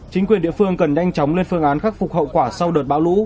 chính quyền địa phương cần nhanh chóng lên phương án khắc phục hậu quả sau đợt bão lũ